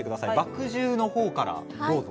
「麦汁」のほうからどうぞ。